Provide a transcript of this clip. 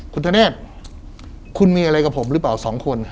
คุณธเนธคุณมีอะไรกับผมหรือเปล่า๒คน